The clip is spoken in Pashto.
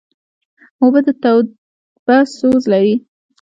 اوبه د توبه سوز لري.